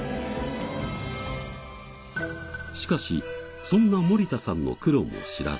しかしそんな森田さんの苦労も知らず。